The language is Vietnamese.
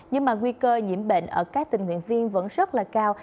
nhưng mà nguy cơ nhiễm bệnh ở các tình nguyện viên vẫn rất là cao